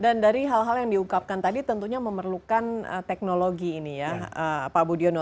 dan dari hal hal yang diukapkan tadi tentunya memerlukan teknologi ini ya pak budiono